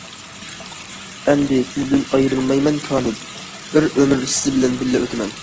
ئەمدى سىزدىن ئايرىلمايمەن، كامىل، بىر ئۆمۈر سىز بىلەن بىللە ئۆتىمەن!